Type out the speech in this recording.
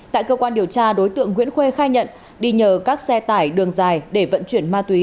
tại cơ quan điều tra đối tượng nguyễn khuê khai nhận đi nhờ các xe tải đường dài để vận chuyển ma túy